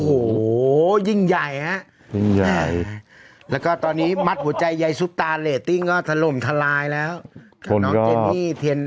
อื้อหือเมื่ออันนี้กว่าเลยอะแกะออกมาเนี้ย